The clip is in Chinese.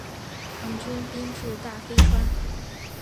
唐军兵至大非川。